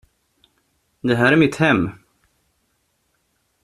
Det här är mitt hem!